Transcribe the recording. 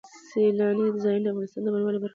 سیلانی ځایونه د افغانستان د بڼوالۍ برخه ده.